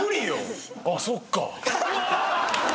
あっそっか。